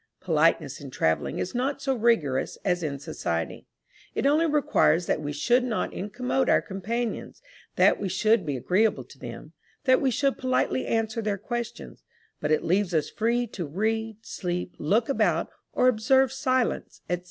Politeness in travelling is not so rigorous as in society; it only requires that we should not incommode our companions; that we should be agreeable to them; that we should politely answer their questions; but it leaves us free to read, sleep, look about, or observe silence, &c.